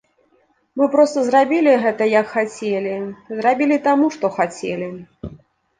Мы проста зрабілі гэта, як хацелі, зрабілі таму, што хацелі.